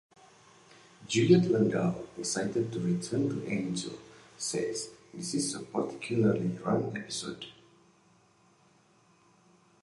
Juliet Landau, excited to return to "Angel", says, "this is a particularly fun episode...